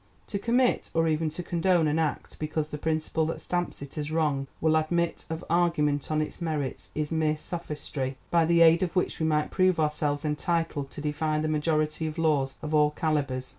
To commit or even to condone an act because the principle that stamps it as wrong will admit of argument on its merits is mere sophistry, by the aid of which we might prove ourselves entitled to defy the majority of laws of all calibres.